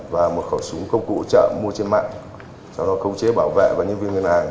và một khẩu súng công cụ trợ mua trên mạng sau đó khống chế bảo vệ và nhân viên ngân hàng